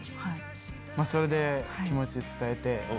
それで、気持ち伝えて。